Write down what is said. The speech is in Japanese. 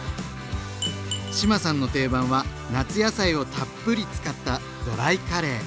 志麻さんの定番は夏野菜をたっぷり使ったドライカレー。